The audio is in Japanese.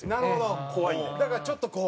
蛍原：だから、ちょっと、こう。